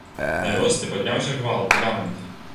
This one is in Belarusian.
На вёсцы падняўся гвалт, лямант.